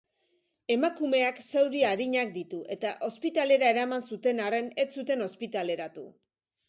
Emakumeak zauri arinak ditu eta ospitalera eraman zuten arren, ez zuten ospitaleratu.